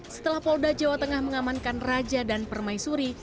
setelah polda jawa tengah mengamankan raja dan permaisuri